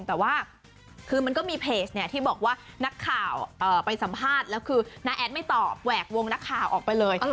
แต่ว่าคือมันก็มีเพจที่บอกว่านักข่าวไปสัมภาษณ์แล้วคือน้าแอดไม่ตอบแหวกวงนักข่าวออกไปเลย